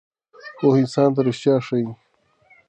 پوهه انسان ته ریښتیا ښیي.